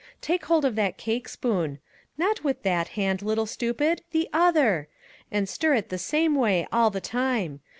Take hold of that cake spoon; not with that hand, little stupid ! the other ; and stir it the same way all the time.